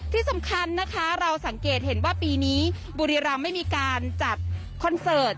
ที่สำคัญนะคะเราสังเกตเห็นว่าปีนี้บุรีรำไม่มีการจัดคอนเสิร์ต